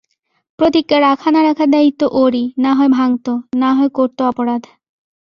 প্রতিজ্ঞা রাখা না-রাখার দায়িত্ব ওরই, না হয় ভাঙত, না হয় করত অপরাধ।